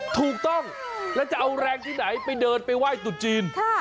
ถูกต้องแล้วจะเอาแรงที่ไหนไปเดินไปไหว้ตุจีน